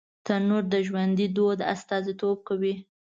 تنور د ژوندي دود استازیتوب کوي